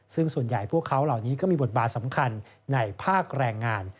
ซึ่งส่วนใหญ่พวกเขาเหล่านี้ก็มีบทบาทสำคัญในภาคแรงงาน